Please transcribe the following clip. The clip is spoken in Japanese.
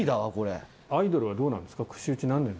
アイドルはどうなんですか？